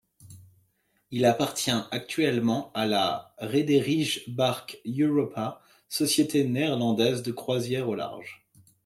Il appartient actuellement à la Rederij Bark Europa, société néerlandaise de croisière au large.